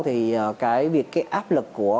thì cái việc cái áp lực của